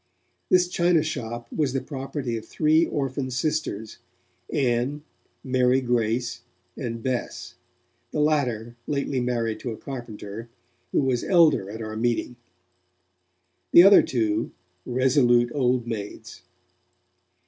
This china shop was the property of three orphan sisters, Ann, Mary Grace, and Bess, the latter lately married to a carpenter, who was 'elder' at our meeting; the other two, resolute old maids.